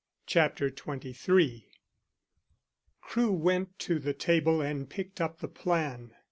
CHAPTER XXIII CREWE went to the table and picked up the plan.